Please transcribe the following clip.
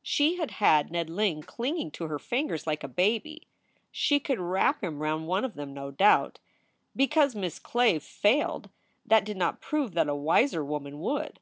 She had had Ned Ling clinging to her fingers like a baby. She could wrap him round one of them, no doubt. Because Miss Clave failed, that did not prove that a wiser woman would.